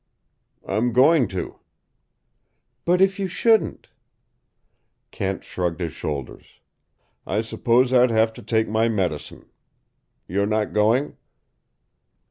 "I'm going to." "But if you shouldn't?" Kent shrugged his shoulders. "I suppose I'd have to take my medicine. You're not going?"